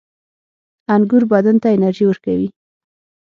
• انګور بدن ته انرژي ورکوي.